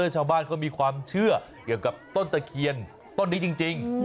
ชาวบ้านเขามีความเชื่อเกี่ยวกับต้นตะเคียนต้นนี้จริง